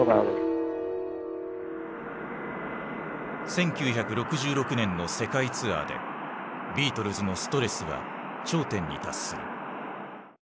１９６６年の世界ツアーでビートルズのストレスは頂点に達する。